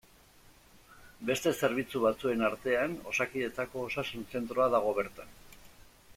Beste zerbitzu batzuen artean Osakidetzako osasun zentroa dago bertan.